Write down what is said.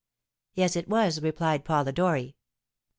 "'Yes, it was!' replied Polidori.